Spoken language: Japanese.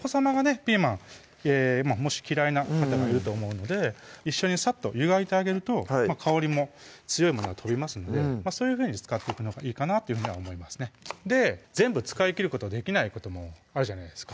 ピーマンもし嫌いな方がいると思うので一緒にさっと湯がいてあげると香りも強いものは飛びますのでそういうふうに使っていくのがいいかなというふうに思いますね全部使い切ることできないこともあるじゃないですか